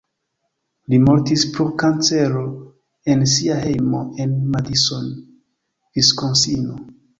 Li mortis pro kancero en sia hejmo en Madison (Viskonsino).